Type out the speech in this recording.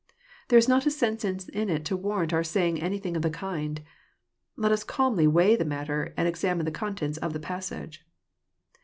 There is not a sentence in it to warrant our saying anything of the kind. Let us calmly weigh the matter, and examine the contents of the passage.